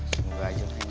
semoga aja man